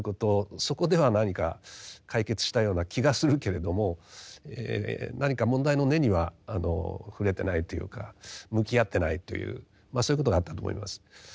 そこでは何か解決したような気がするけれども何か問題の根には触れてないというか向き合ってないというそういうことがあったと思います。